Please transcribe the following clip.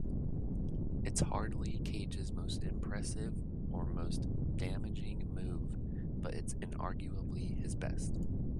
It's hardly Cage's most impressive or most damaging move, but it's inarguably his best.